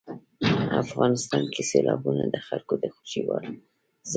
افغانستان کې سیلابونه د خلکو د خوښې وړ ځای دی.